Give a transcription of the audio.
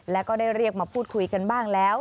แล้วก็ได้เรียกมาพูดคุยกันบ้างแล้ว